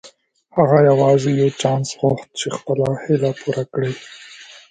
هغه يوازې يو چانس غوښت چې خپله هيله پوره کړي.